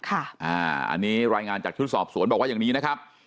อันนี้รายงานจากชุดสอบสวนบอกว่าอย่างนี้นะครับ